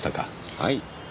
はい。